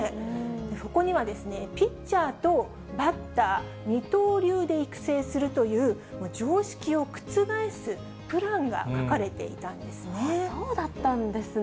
そこには、ピッチャーとバッター二刀流で育成するという常識を覆すプランがそうだったんですね。